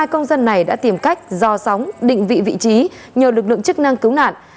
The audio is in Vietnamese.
hai công dân này đã tìm cách do sóng định vị vị trí nhờ lực lượng chức năng cứu nạn